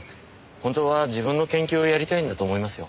本当は自分の研究をやりたいんだと思いますよ。